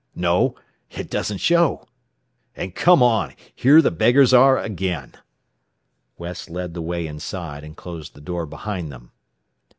No; it doesn't show. "And come on! Here the beggars are again!" West led the way inside, and closed the door behind them.